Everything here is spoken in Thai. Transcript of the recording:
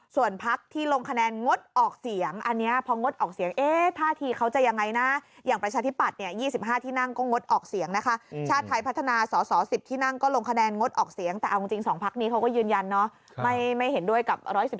ส่วนพักที่ลงคะแนนงดออกเสียงอันเนี้ยพองดออกเสียงเอ๊ะท่าทีเขาจะยังไงน่ะ